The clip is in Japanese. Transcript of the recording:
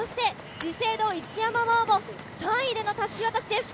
資生堂・一山麻緒も３位でのたすき渡しです。